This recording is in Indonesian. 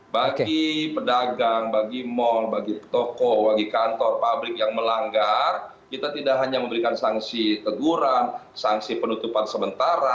bagi pedagang bagi mal bagi toko bagi kantor pabrik yang melanggar kita tidak hanya memberikan sanksi teguran sanksi penutupan sementara